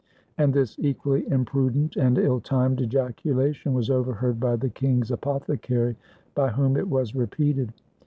And this equally imprudent and ill timed ejaculation was overheard by the king's apothecary, by whom it was repeated.